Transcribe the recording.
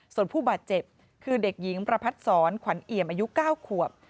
ส่วนผู้บาดเจ็บคือเด็กหญิงประพัดศรขวัญเอี่ยมอายุ๙ขวบ